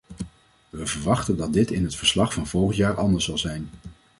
We verwachten dat dit in het verslag van volgend jaar anders zal zijn.